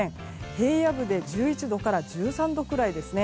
平野部で１１度から１３度くらいですね。